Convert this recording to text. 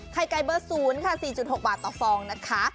ไข่ไก่เบอร์๐ค่ะ๔๖บาทต่อฟองนะคะ